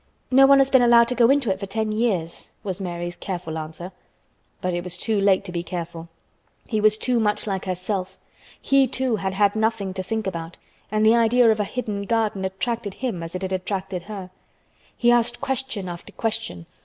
"No one has been allowed to go into it for ten years," was Mary's careful answer. But it was too late to be careful. He was too much like herself. He too had had nothing to think about and the idea of a hidden garden attracted him as it had attracted her. He asked question after question.